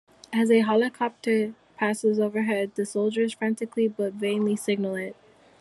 As a helicopter passes overhead, the soldiers frantically but vainly signal it.